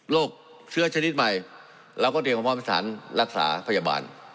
เชื้อชนิดใหม่เราก็เตรียมความพร้อมสถานรักษาพยาบาล